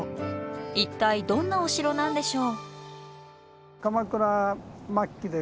一体どんなお城なんでしょう？